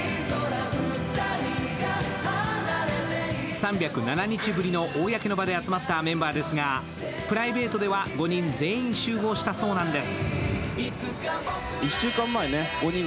３０７日ぶりの公の場で集まったメンバーですが、プライベートでは５人全員集合したそうなんです。